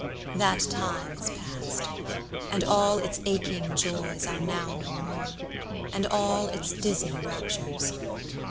–That time is past, And all its aching joys are now no more, And all its dizzy raptures.